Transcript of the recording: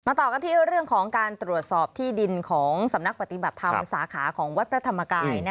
ต่อกันที่เรื่องของการตรวจสอบที่ดินของสำนักปฏิบัติธรรมสาขาของวัดพระธรรมกาย